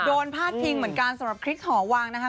พาดพิงเหมือนกันสำหรับคริกหอวังนะคะ